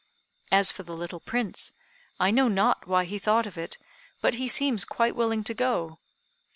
As for the little Prince, I know not why he thought of it, but he seems quite willing to go.